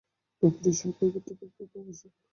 বাকিরা সহকারী অধ্যাপক বা প্রভাষক।